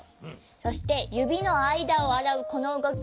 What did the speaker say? そしてゆびのあいだをあらうこのうごき。